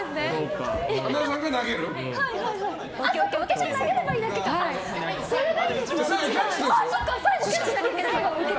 私は投げればいいだけか。